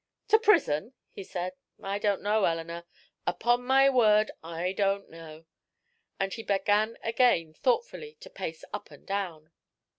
"To prison?" he said. "I don't know, Eleanor upon my word I don't know." And he began again thoughtfully to pace up and down.